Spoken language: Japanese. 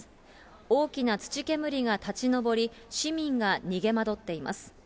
大きな土煙が立ち上り、市民が逃げまどっています。